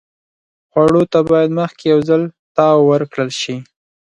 خوړو ته باید مخکې یو ځل تاو ورکړل شي.